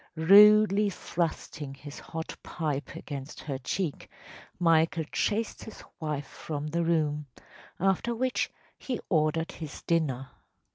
‚ÄĚ Rudely thrusting his hot pipe against her cheek, Michael chased his wife from the room, after which he ordered his dinner.